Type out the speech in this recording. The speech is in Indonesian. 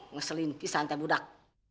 ngeselin pisah tante budak